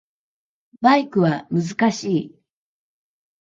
バイクは難しい